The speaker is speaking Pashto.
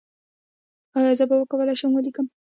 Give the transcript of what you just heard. ایا زه به وکولی شم ولیکم؟